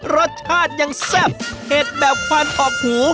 รสชาติยังแซ่บเผ็ดแบบควันออกหู